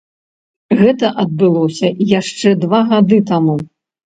Гэта адбылося яшчэ два гады таму.